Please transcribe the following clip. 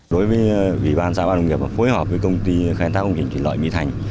đối với vị bán xã bán đồng nghiệp và phối hợp với công ty khai thác công trình chuyển loại mỹ thành